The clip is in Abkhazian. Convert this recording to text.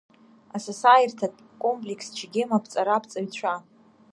Асасааирҭатә комплекс Чегем аԥҵара, Аԥҵаҩцәа…